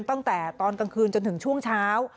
ตั้งแต่ตอนกลางคืนจนถึงช่วงเช้า